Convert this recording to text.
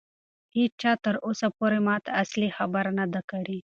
هیچا تر اوسه پورې ماته اصلي خبره نه ده کړې.